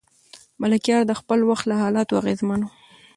ملکیار د خپل وخت له حالاتو اغېزمن و.